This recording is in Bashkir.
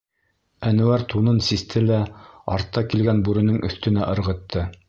Әнүәр тунын систе лә артта килгән бүренең өҫтөнә ырғытты: